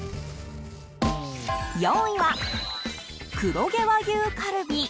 ４位は、黒毛和牛カルビ。